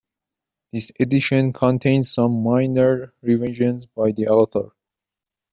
This edition contained some minor revisions by the author.